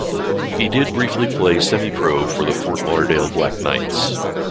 He did briefly play semi-pro for the Fort Lauderdale Black Knights.